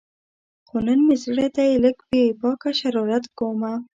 خو نن مې زړه دی لږ بې باکه شرارت کومه